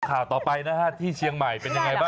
ต่อไปนะฮะที่เชียงใหม่เป็นอย่างไรบะ